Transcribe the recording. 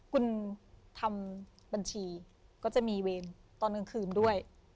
คุณทำบัญชีก็จะมีเวรตอนกลางคืนด้วย